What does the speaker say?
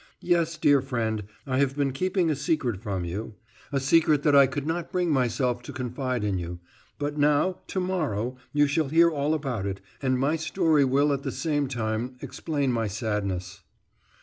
Yes, dear friend, I have been keeping a secret from you, a secret that I could not bring myself to confide in you. But now, tomorrow, you shall hear all about it, and my story will at the same time explain my sadness."